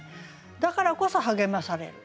だからこそ励まされる。